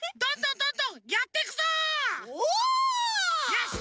よし！